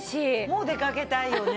もう出かけたいよね。